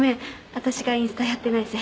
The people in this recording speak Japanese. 私がインスタやってないせい。